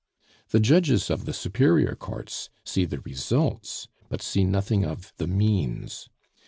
The judges of the superior courts see the results, but see nothing of the means.